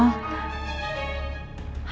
ya lu sama gue